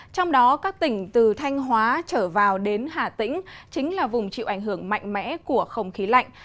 trong đó các tỉnh từ thanh hóa trở vào đến hà tĩnh chính là vùng chịu ảnh hưởng mạnh mẽ của không khí lạnh